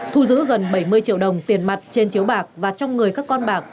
thu giữ gần bảy mươi triệu đồng tiền mặt trên chiếu bạc và trong người các con bạc